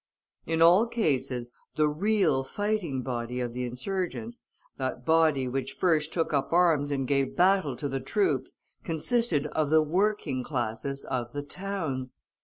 In all cases, the real fighting body of the insurgents, that body which first took up arms and gave battle to the troops consisted of the working classes of the towns.